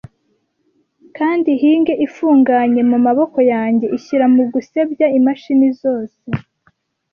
Kandi hinge ifunganye mumaboko yanjye ishyira mugusebya imashini zose,